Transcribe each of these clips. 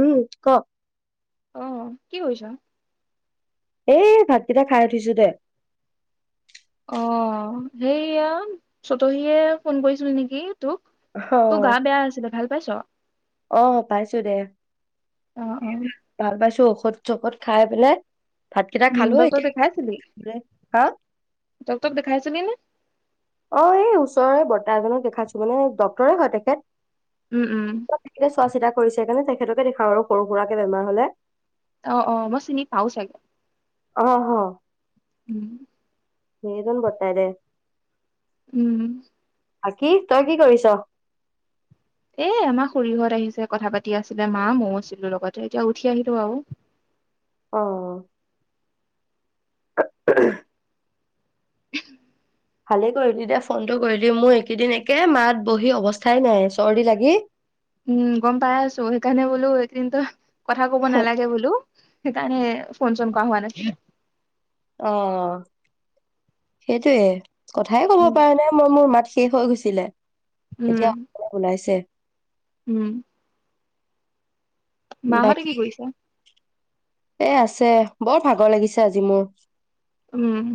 উম ক। আহ কি কৰিছ এই ভাতকেইটা খাই উঠিছো দে। হেইয়া চতহীয়ে ফোন কৰিছিলে নেকি। তোক অ তোৰ গা বেয়া আছিলে ভাল। পাইছ অ পাইছো দে অ অ ভাল পাইছো। চকত চকত খাই পিলাই উম ডক্টৰ দেখাইছিলি হা ডক্টৰ দেখাইছিলি নে অ এই ওচৰৰে বৰ্তা এজনক দেখাইছো মানে ডক্তৰে হয় তেখেত উম উম তেখেতে চোৱা চিতা কৰিছে সেইকাৰণে তেখেতকে দেখাওঁ আৰু সৰু সুৰাকে বেমাৰ হলে। অ অ মই চিনি পাওঁ চাগে। অহ হ। উম। নিদন গতাৰে উম বাকি তই কি কৰিছ এ আমাৰ খুৰিহৰত আহিছে কথা পাতি আছিলে মা ময়ো আছিলো লগতে এতিয়া উঠি আহিলো আৰু অ উম অ ভালেই কৰিলি দে ফোনটো কৰিলি মোৰ একেইদিন একে মাত বহি অৱস্থাই নাই চৰ্দি লাগি। উম গম পাই আছো সেইকাৰণে বোলো এইদিনতো কথা কব নালাগে বোলো সেইকাৰণে ফোন চোন কৰা হোৱা নাছিল। অ। সেইটোৱে। কথাই কব উম পৰা নাই মই মোৰ মাত শেষ হৈ গৈছিলে এতিয়া উম অ ওলাইছে। উম মা হতে বাকী কি কৰিছে এ আছে বৰ ভাগৰ লাগিছে আজি মোৰ উম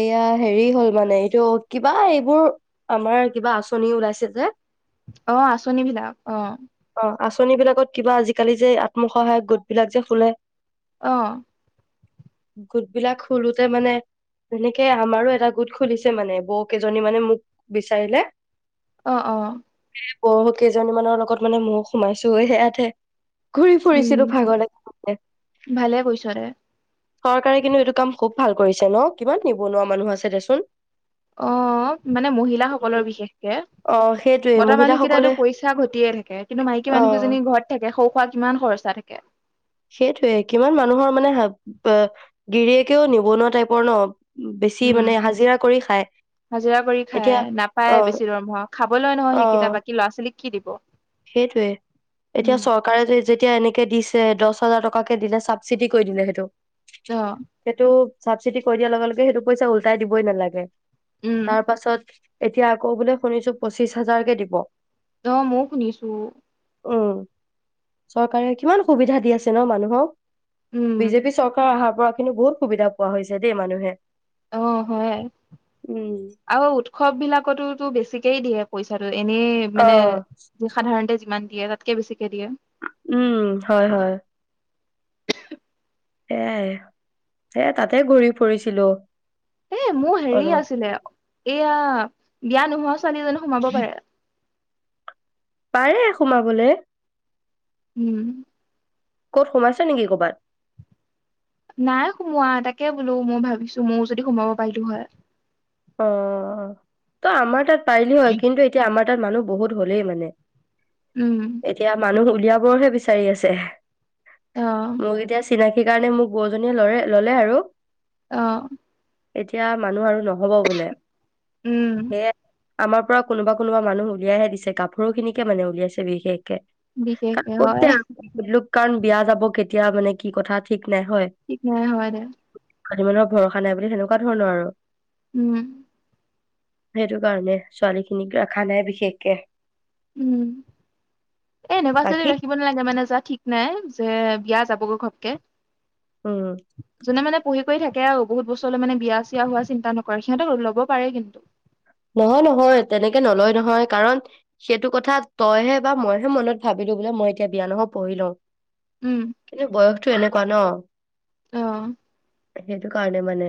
এয়া হেৰি হ'ল মানে এইটো কিবা এইবোৰ আমাৰ কিবা আঁচনি ওলাইছে যে অহ আচঁনি বিলাক অহ অ আঁচনি বিলাকত কিবা আজিকালি যে আত্মসহায়ক গোট বিলাক যে খোলে। অহ গোট বিলাক খোলোতে মানে তেনেকে আমাৰো এটা গোট খুলিছে মানে বৌ কেইজনী মানে মোক বিচাৰিলে অহ অ বৌ কেইজনী মানৰ লগত মানে ময়ো সোমাইছো গৈ সেয়াতে ঘূৰি ফুৰিছিলো উম ভাগৰ ভালে কৈছ দে [inaudible] চৰকাৰে কিন্তু এইটো কাম খুব ভাল কৰিছে ন। কিমান নিবনুৱা মানুহ আছে দেচোন। অ, মানে মহিলাসকলৰ বিশেষকে অ সেইটোয়ে মতা মানুহ মহিলাসকলে কেইটাইটো পইচা ঘটিয়ে থাকে, কিন্তু মাইকী অ মানুহকেইজনী ঘৰত থাকে সৰু-সুৰা কিমান খৰচা থাকে। সেইটোৱে, কিমান মানুহৰ মানে গিৰিয়েকেও নিবনুৱা টাইপৰ ন বেছি উম মানে হাজিৰা কৰি খায়, হাজিৰা কৰি খাই এতিয়া নাপায় বেছি দৰমহা খাবলৈ নহয় অ-অ সেইকেইটা বাকী ল'ৰা ছোৱালীক কি দিব সেইটোৱে, এতিয়া উম চৰকাৰে যেতিয়া এনেকে দিছে দহ দহ হাজাৰ টকাকে দিলে, চাবচিডি কৰি দিলে সেইটো অ সেইটো চাবচিডি কৰি দিয়াৰ লগে-লগে, সেইটো পইচা উলটাই দিবই নালাগে। উম তাৰ পাছত এতিয়া আকৌ বোলে শুনিছোঁ, পঁচিশ হাজাৰকে দিব। অ, মইও শুনিছো। উম, চৰকাৰে কিমান সুবিধা দি আছে? ন মানুহক উম বিজেপি চৰকাৰ অহাৰ পৰা কিন্তু, বহুত সুবিধা পোৱা হৈছে দেই মানুহে। অ হয়, উম আৰু উৎসৱ বিলাকতো বেছিকে একেই দিয়ে পইচাটো এনেই মানে, অ সাধাৰণতে যিমান দিয়ে, তাতকে বেছিকে দিয়ে। উম, হয়-হয় এয়াই, এ তাতে ঘূৰি ফুৰিছিলোঁ। এ মোৰ হেৰি আছিলে এইয়া বিয়া নোহোৱা ছোৱালী এজনী সোমাব পাৰে। পাৰে সোমাবলে? উম ক'ত সোমাইছে নেকি ক'বাত? নাই সোমোৱা, তাকে বোলো মই ভাবিছো ময়ও যদি সোমাব পাৰিলো হয়। অ, ত আমাৰ তাত পাৰিলি হয়, কিন্তু এতিয়া আমাৰ তাত মানুহ বহুত হ'লেই মানে উম এতিয়া মানুহ উলিয়াবৰ হে বিচাৰি আছে। অ মোক এতিয়া চিনাকি কাৰণে মোক বৌ জনীয়ে লৰে ল'লে আৰু, অহ এতিয়া মানুহ আৰু ন হ'ব বোলে। উম সেয়াই আমাৰ পৰা কোনোবা-কোনোবা মানুহ উলাইহে দিছে, গাভৰুখিনিকে মানে উলিয়াই দিছে বিশেষকে। কাৰণ বিশেষকে হয় কতে আম [unintelligible] কাৰণ বিয়া যাব কেতিয়া মানে কি কথা ঠিক কি ন হয় দে আনিবলৈ ভৰসা নাই বুলি সেনেকুৱা ধৰণৰ আৰু উম সেইটো কাৰণে ছোৱালী খিনিক ৰখা নাই বিশেষকে উম এ এনেকুৱা ছোৱালী বাকী ৰাখিব নালাগে মানে যা ঠিক নাই যে বিয়া যাবগৈ ঘবকে উম পঢ়ি কৰি থাকে আৰু বহুত বস্তৰলৈ মানে বিয়া চিয়া হোৱা চিন্তা নকৰে সিহঁতে ল'ব পাৰে। কিন্তু নহয় নহয় তেনেকে নলয় নহয় কাৰণ সেইটো কথা তইহে বা মইহে মনত ভাবিলো বোলে মই এতিয়া বিয়া নহয় পঢ়ি লওঁ। উম কিন্তু বয়সতটো এনেকুৱা ন অ সেইটো কাৰণে মানে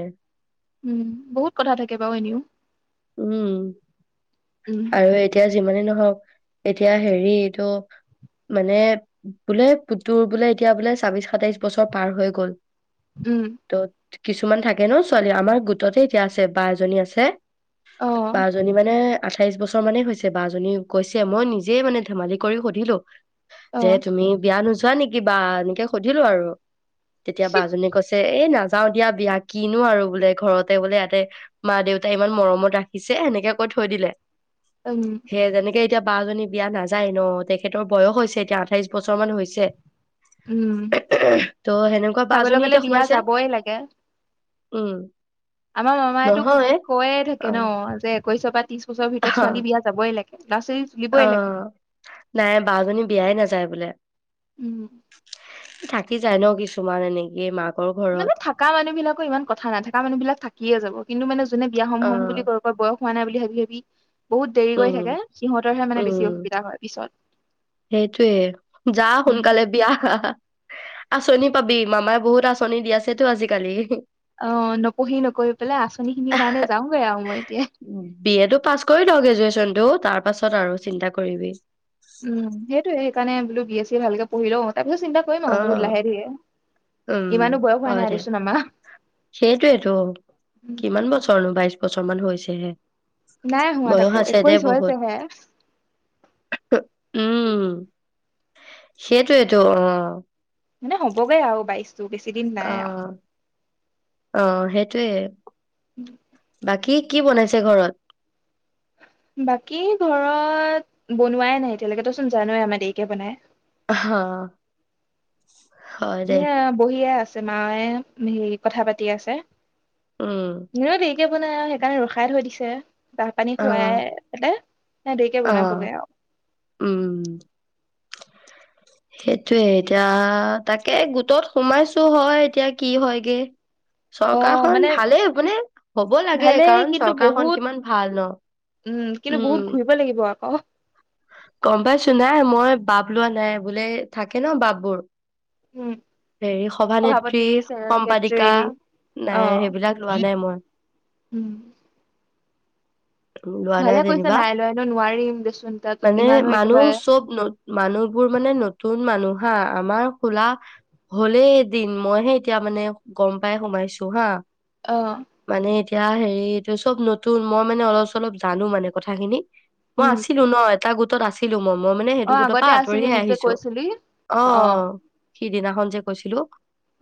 উম বহুত কথা থাকে বাৰু এনেও উম উম আৰু এতিয়া যিমানেই ন হক এতিয়া হেৰি এইটো মানে বোলে পুতুৰ বোলে এতিয়া বোলে ছাবিশ সাতাইশ বছৰ পাৰ হৈ গল। উম ত কিছুমান থাকে ন ছোৱালী আমাৰ গোটতে এতিয়া আছে বা এজনী আছে। অ বা জনী মানে আঠাইশ বছৰ মানে হৈছে বা এজনী কৈছে মই নিজেই মানে ধেমালি কৰি সুধিলো। যে অ তুমি বিয়া নজ নকৰা নেকি বা এনেকে সুধিলো আৰু তেতিয়া বা জনী কৈছে এই নাচ যাওঁ দিয়া বিয়া কিনো আৰু বোলে ঘৰতে বোলে ইয়াতে মা দেউতাই ইমান মৰমত ৰাখিছে সেনেকে কৈ থৈ দিলে। উম সেয় তেনেকে এতিয়া বা জনী বিয়া নাযায় ন তেখেতৰ বয়স হৈছে। এতিয়া আঠাইশ বছৰ মান হৈছে। উম ত' সেনেকুৱা বা চাবলৈ জনী গ'লে এতিয়া বিয়া সোমাইছে যাবই লাগে উম আমাৰ মামায় তোক নহয় কৈয়ে অ থাকে ন যে পইচা পাতি বছৰ ভিতৰত ছোৱালী বিয়া যাবই লাগে নাৰ্চাৰী অ তুলিবই লাগে নাই বা জনী বিয়াই নাযায় বোলে উম থাকি যায় ন কিছুমান এনেকি মাক মানে থকা মানুহ বিলাকৰ ইমান কথা নাই থাককা মানুহ বিলাক থাকিয়ে যাব। কিনো মানে যোনে বিয়া হম হম বুলি অ', কয় কয় বয়স হোৱা নাই বুলি ভাবি ভাবি বহুত দেৰি কৰি উম, থাকে সিহঁত হে মানে বেছি উম, অসুবিধা হয় পিছত সেইটোয়ে যা সোনকালে বিয়া খা আচনি পাবি মামাই বহুত আচনি দি আছেতো আজিকালি আহ নপঢ়ি নকৰি পেলাই আচনি খিনিৰ কাৰণে যাওঁগৈ আৰু মই এতিয়া বি এ টো পাছ কৰি ল গ্ৰেজুৱেচনটো তাৰ পাছত আৰু চিন্তা কৰিবি ত সেইকাৰনে বোলো বি এ চি এ ভালকে পঢ়ি লওঁ তাৰ পিছত চিন্তা কৰিম অ আৰু বহুত লাহে ধীৰে উম ইমানো বয়স হোৱা হয় নাই দে দেচোন আমাৰ সেইটোয়েটো কিমান বছৰনো বাইশ বছৰ মান হৈছেহে নাই হোৱা বয়স তাকো আছে দে একৈশ বহুত হৈছেহে উম সেইটোয়েটো অ [inaudible] মানে হ'বগে আৰু বাইছ বেছি দিন নাই আৱ অ', অ সেইটোৱে উম বাকী কি বনাইছে ঘৰত বাকী ঘৰত বনোৱাই নাই এতিয়ালৈকে তই চোন জানই আমাৰ দেৰিকে বনাই আহা এয়া বহিয়ে আছে মায়ে হেৰি কথা পাতি আছে উম কে বনাই আৱ সেইকাৰণে ৰখাই থৈ দিছে চাহ পানী অ', খুৱাই পেনে দেৰিকে বনাবগে অ', আৱ উম। সেইটোৱে এতিয়া তাকে গোটত সোমাইছো হয় এতিয়া কি হয়গে অ চৰকাৰখন মানে ভালেই মানে হ'ব লাগে ভালেই কাৰণ কিন্তু চৰকাৰখন বহুত কিমান ভাল ন উম কিন্তু বহুত উম ঘূৰিব লাগিব আকৌ গম পাইছোঁ নাই মই বাপ লোৱা নাই বোলে থাকে ন বাপ বোৰ উম হেৰি সভানেত্ৰী সভাপতি সম্পাদিকা ছেক্ৰেটাৰী নাই অ সেইবিলাক লোৱা নাই মই উম লোৱা নাই ভালে কৈছা যেনিবা নাই লোৱা এনেও নোৱাৰিম দেচোন তাত মানে ইমানো মানুহ একেবাৰে চব মানুহবোৰ মানে নতুন মানুহ হা আমাৰ খোলা হ'লেই এদিন মইহে এতিয়া মানে গম পাই সোমাইছো হা আহ এয়া হেৰি এইটো চব নতুন মই- মানে অলপ চলপ জানোঁ মানে কথা খিনি। মই উম আছিলোঁ ন এ এটা গোটত আছিলোঁ মই। মই মানে অ সেইটো গোটৰ পৰা আগতে আছিলি আঁতৰিয়ে মোক যে আহিছোঁ কৈছিলি অ সিদিনাখন যে কৈছিলোঁ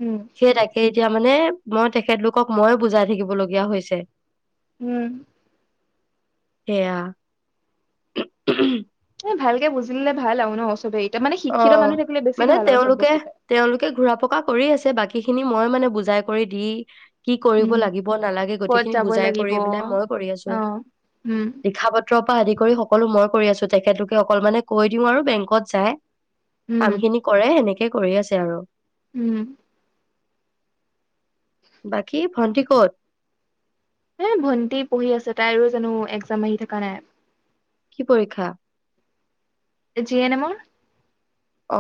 উম সেই তাকে এতিয়া মানে। মই তেখেতলোকক মই বুজাই থাকিবলগীয়া হৈছে। উম। সেয়া। ভালকে বুজিলে ভাল আৰু ন চবেই এতিয়া মানে অ শিক্ষিত মানুহ থাকিলে বেছি মানে ভাল আৰু চব তেওঁলোকে বস্তুতে পায়। তেওঁলোকে ঘূৰা পকা কৰি আছে বাকী খিনি মই মানে বুজাই কৰি দি কি কৰিব উম লাগিব নালাগে গোটেইখিনি বুজাই কৰি পেলাই মই। আছো অহ উম। লিখা পত্ৰৰ পৰা আদি কৰি সকলো মই কৰি আছোঁ তেখেতলোকে অকল মানে কৈ দিওঁ আৰু বেংকত যায়। উম কাম খিনি কৰে সেনেকে। এ কৰি আছে আৰু। উম। বাকী? ভণ্টি ক'ত? এ ভন্টি পঢ়ি আছে তাইৰো জানোঁ এক্জাম আহি থকা নাই। কি পৰীক্ষা? জি এন এমৰ। অ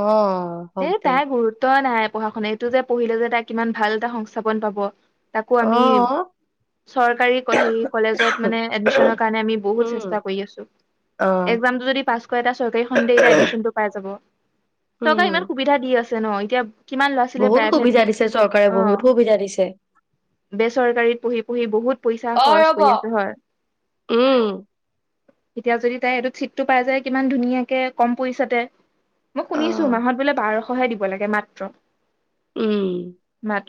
এ হওক দে। তাই গুৰুত্ব‌ই নাই। পঢ়া শুনা এইটো যে পঢ়িল যে তাই কিমান ভাল এটা সংস্থাপন পাব। তাকো আমি অ' চৰকাৰী হেৰি কলেজত মানে এডমিশ্যনৰ কাৰণে আমি বহুত উম, চেষ্টা কৰি আছোঁ। অ'। একজামটো যদি পাছ কৰে তাই চৰকাৰী খন এতিয়া এডমিশ্যন টো পাই যাব। চৰকাৰী উম, ইমান পৰিক্ষা দি আছে ন এতিয়া। কিমান ল'ৰা ছোৱালীয়ে বহুত প্ৰাইভেট সুবিধা দিছে চৰকাৰে অ বহুত সুবিধা দিছে। বেচৰকাৰীত পঢ়ি পঢ়ি বহুত পইচা অ' খৰচ ৰ'ব। কৰি আছে হয়। উম, এতিয়া যদি তাই এইটোত চিটটো পাই যায় কিমান ধুনীয়াকে কম প‌ইচাতে। মই শুনিছোঁ অ', মাহত বোলে। বাৰশহে দিব লাগে মাত্ৰ। উম।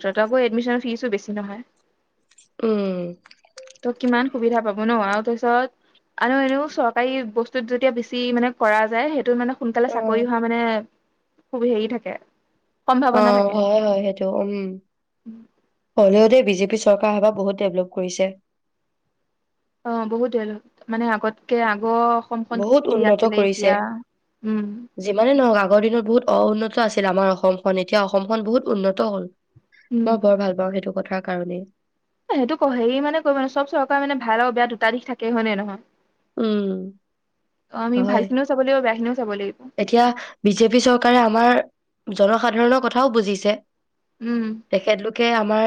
ত্ৰ তাকো এডমিশ্যনৰ ফিজো বেছি নহয়। উম ত কিমান সুবিধা পাব ন আৰু তাৰপিছত আৰু এনেও চৰকাৰী বস্তুত যেতিয়া বেছি মানে কৰা যায় সেইটো মানে। সোনকালে চাকৰি অ'। হোৱা মানে। খুব হেৰি থাকে। অ সম্ভাৱনা থাকে হয় হয় সেইটো উম। হ'লেও দেই বিজেপি চ চৰকাৰে সেইবাৰ বহুত ডেভলপ কৰিছে। অ বহুত হল। মানে আগতকে আ আগ অসমখন বহুত কি উন্নত আছিলে কৰিছে। এতিয়া উম গৰ দিনত বহুত অউন্নত আছিল আমাৰ অসমখন এতিয়া অসমখন বহুত উন্নত হ'ল। উম মই বৰ ভাল পাওঁ সেইটো কথা কাৰণে। সেইটো ক হেৰি মানে ক মানে চব চৰকাৰ মানে ভাল আৰু বেয়া দুটা দিশ থাকে হয় নে নহয়? উম, অ আমি হয়। ভালখিনিও চাব লাগিব বেয়াখিনিও এতিয়া বিজেপি চৰকাৰে আমাৰ জনসাধাৰণৰ কথাও বুজিছে উম তেখেতলোকে আমাৰ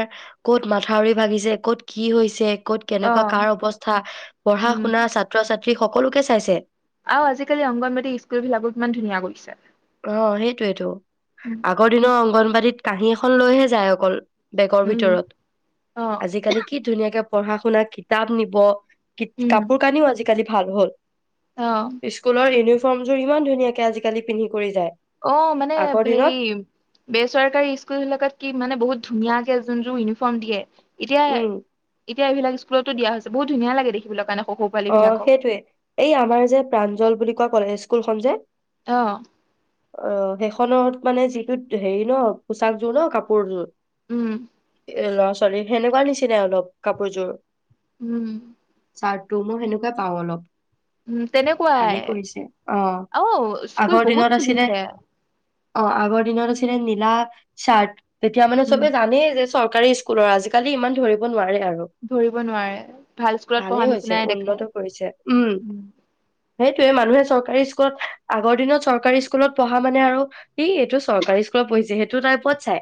ক'ত মাথাউৰি ভাগিছে ক'ত কি হৈছে ক'ত অ কেনেকুৱা কাৰ অৱস্থা পঢ়া উম শুনা ছাত্ৰ ছাত্ৰী সকলোকে চাইছে আৰু আজিকালি অংগণবানদি স্ক অ সেইটোয়েটো উম আগৰ দিনৰ অংগনবাদী কাঁহী এখন লৈহে যায় অকল বেগৰ উম, ভিতৰত অ আজিকালি কি ধুনীয়াকে পঢ়া শুনা কিতাপ নিব উম কাপোৰ কানিও আজিকালি ভাল হ'ল অ স্কুলৰ ইউনি ফম জৰিমান আজ কালি পিনি অ মানে হে বেচৰকাৰী স্কুল বিলাকত কি মানে বহুত ধুনীয়াকে যোন ইউ ফম দিয়ে এতিয়া উম, এয়া এইবাক স্কুলতো দিয়া হৈছে ধুনীয়া লগে দেখিবলৈ কাৰণে সৰু সৰু পোৱালী অ বিলাকক সেইটয়ে এই আমাৰ যে প্ৰাঞ্জল বুলি কোৱা কলেজ স্কুলখন যে অ অ সেই খত মানে যিটো হেৰি ন পোচাকযোৰ ন কাপোৰযোৰ উম এ ল'ৰা ছোৱালী সেনেকুৱা নিচিনাই অলপ কাপোৰযোৰ উম ষাত তমো সেনেকুৱা পাওঁ অলপ [unintelligible] উম তেনেকুৱাই ভালেই কৰিছে অ আহ স্কুল আগৰ দিনত বহুত আছিলে খুলিছে অ আগৰ দিন ৰছিলে নীলা চাৰ্ট তেতিয়া মানে উম চবে জানেই যে চৰকাৰী স্কুলৰ আজিকালি ইমান ধৰিব নোৱাৰে আৰু ধৰিব নোৱাৰে ভাল স্কুলত পঢ়া ভালেই নিছিলো হৈছে উন্নত কৰিছে উম সেইটোয়ে মানুহে চৰকাৰী স্কুলত আগৰ দিনত চৰকাৰী স্কুলত পঢ়া মানে আৰু এইটো চৰকাৰী স্কুলতপঢ়িছে সেইটো সটো টাইপত চাই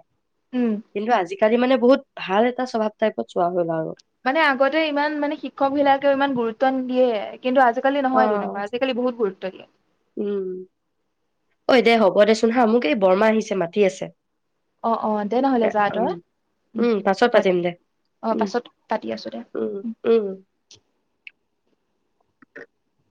উম, [unintelligible] কিন্তু আজি কালি মানে বহুত ভাল এটা স্বভাৱ টাইপত চোৱা হ'ল আৰু মানে আগতে ইমান মানে শিক্ষক বিলাকেও ইমান গুৰুত্ব নিদিয়ে কিন্তু আজিকালি অ নহয় তেনেকুৱা আজিকালি বহুত গোৰ [unintelligible] সেইটোৱেই [unintelligible] উম ঐ দে হ'ব দেচোন হা মোক এই বৰমা আহিছে মাতি আছে অ অ দে নহ'লে এ, যা উম তই উম পাছত হ'ব দে পাতিম অ উম পাছত পাতি আছো দে উম উম [inaudible]